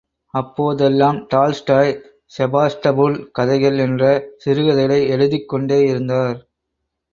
அப்போதெல்லாம் Tolstoy Sebastopol கதைகள், என்ற சிறுகதைகளை எழுதிக் கொண்டே இருந்தார்.